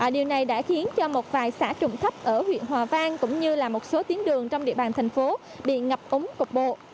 điều này đã khiến cho một vài xã trụng thấp ở huyện hòa vang cũng như là một số tiến đường trong địa bàn thành phố bị ngập ống cục bộ